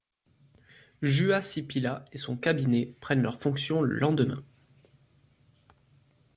Juha Sipilä et son cabinet prennent leurs fonctions le lendemain.